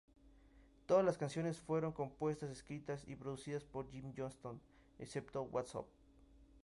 Todas las canciones fueron compuestas, escritas y producidas por Jim Johnston, excepto "What's Up?